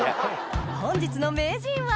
本日の名人は？